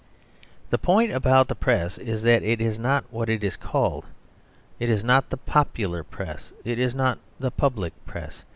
The point about the Press is that it is not what it is called. It is not the "popular Press." It is not the public Press.